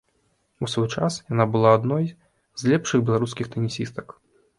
У свой час яна была адной з лепшых беларускіх тэнісістак.